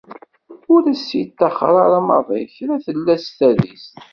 Ur as-yeṭṭaxxer ara maḍi kra tella s tadist.